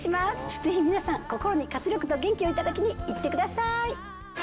ぜひ皆さん心に活力と元気をいただきに行ってください。